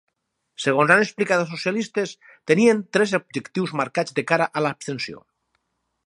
Segons han explicat els socialistes, tenien tres objectius marcats de cara a l’abstenció.